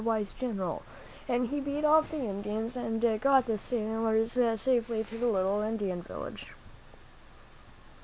wise General, and he beat off the Indians and got the sailors safely to the little Indian village.